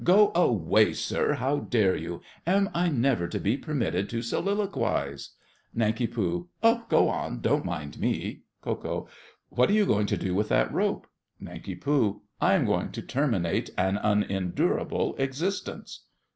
Go away, sir! How dare you? Am I never to be permitted to soliloquize? NANK. Oh, go on—don't mind me. KO. What are you going to do with that rope? NANK. I am about to terminate an unendurabIe existence.